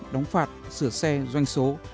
đóng phạt sửa xe doanh số